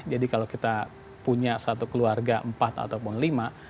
jadi kalau kita punya satu keluarga empat ataupun lima